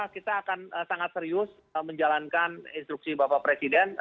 kita akan sangat serius menjalankan instruksi bapak presiden